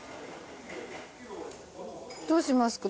どうしますか？